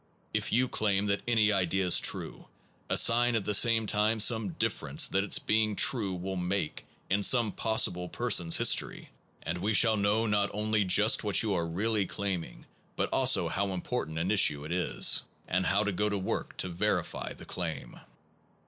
If you claim that any idea is true, assign at the same time some difference that its being true will make in some possible person s his tory, and we shall know not only just what you are really claiming but also how important an issue it is, and how to go to work to verify the claim.